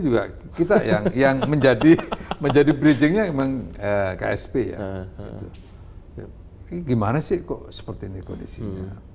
juga kita yang yang menjadi menjadi bridgingnya emang ksp ya itu gimana sih kok seperti ini kondisinya